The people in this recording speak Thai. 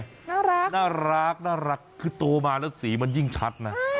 น่ารักน่ารักน่ารักคือโตมาแล้วสีมันยิ่งชัดนะ